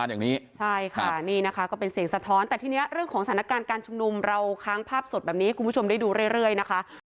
ใช่ครับแต่ตอนนี้คือตกงานไม่มีเงินจะกินนะครับ